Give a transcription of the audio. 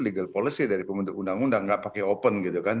legal policy dari pembentuk undang undang tidak pakai open